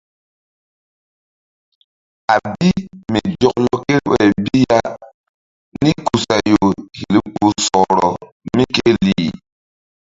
A bi mi zɔklɔ kreɓay bi ya nikusayo hil kpuh sɔhrɔ mí ke lih.